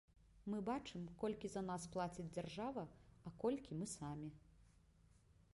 Мы бачым, колькі за нас плаціць дзяржава, а колькі мы самі.